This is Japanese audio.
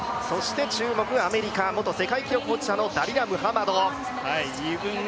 注目、アメリカ元世界記録保持者のダリラ・ムハマド。